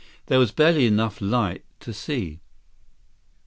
There was barely enough light to see.